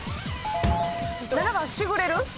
７番しぐれる？